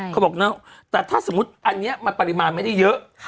เขาบอกแต่ถ้าสมมุติอันนี้มันปริมาณไม่ได้เยอะ